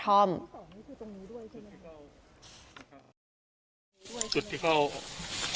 ก็ทำให้ถ้าหากว่าเราไม่ได้สังเกตว่า